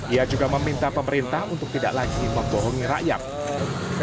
ia juga meminta pemerintah untuk tidak lagi membohongi rakyat